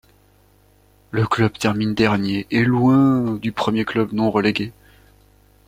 Le club termine dernier et loin du premier club non relégué.